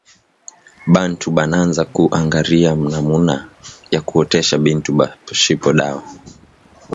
Bantu bananza ku angariya namuna ya kuotesha bintu pashipo dawa